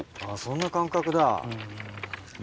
あぁそんな感覚だ。